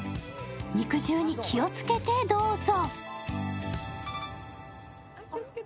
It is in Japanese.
肉汁に気をつけてどうぞ。